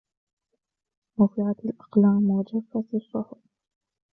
رُفِعَتِ الأَقْلاَمُ وَجَفَّتِ الصُّحُفُ